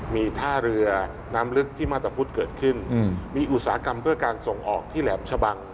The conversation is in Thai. มีท่าเรือน้ำลึกที่มาตรพุทธเกิดขึ้นมีอุตสาหกรรมเพื่อการส่งออกที่แหลมชะบัง